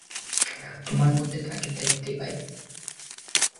তোমার মধ্যে তাকে দেখতে পাই।